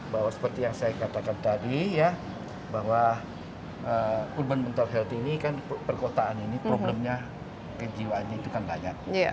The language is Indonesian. bahwa seperti yang saya katakan tadi ya bahwa urban mental health ini kan perkotaan ini problemnya kejiwaannya itu kan banyak